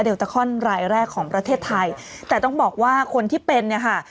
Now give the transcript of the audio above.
ตาคอนรายแรกของประเทศไทยแต่ต้องบอกว่าคนที่เป็นเนี่ยค่ะ